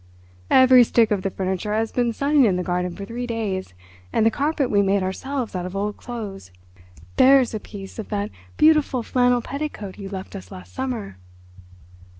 "Every stick of the furniture has been sunning in the garden for three days. And the carpet we made ourselves out of old clothes. There is a piece of that beautiful flannel petticoat you left us last summer."